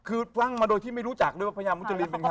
คือตั้งมาโดยที่ไม่รู้จักด้วยว่าพญามุจรินจริง